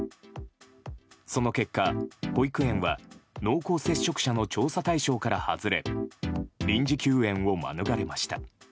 その結果、保育園は濃厚接触者の調査対象から外れ臨時休園を免れました。